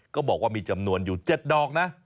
ก็บอกว่ามีจำนวนอยู่๗ดอกนะ